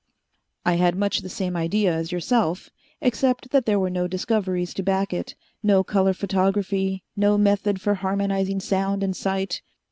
"I had much the same idea as yourself, except that there were no discoveries to back it no color photography, no method for harmonizing sound and sight.